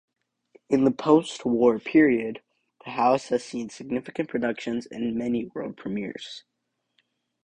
In the post-War period, the house has seen significant productions and many world premieres.